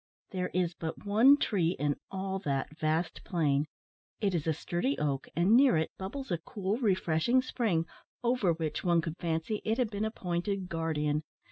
There is but one tree in all that vast plain. It is a sturdy oak, and near it bubbles a cool, refreshing spring, over which, one could fancy, it had been appointed guardian.